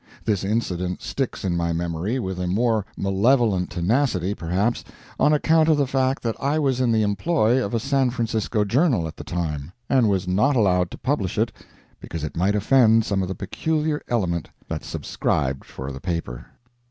This incident sticks in my memory with a more malevolent tenacity, perhaps, on account of the fact that I was in the employ of a San Francisco journal at the time, and was not allowed to publish it because it might offend some of the peculiar element that subscribed for the paper.